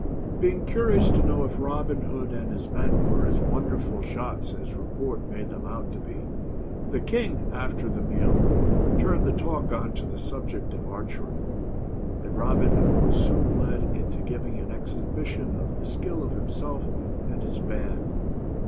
Being curious to know if Robin Hood and his men were as wonderful shots as report made them out to be, the king, after the meal, turned the talk on to the subject of archery, and Robin Hood was soon led into giving an exhibition of the skill of himself and his band.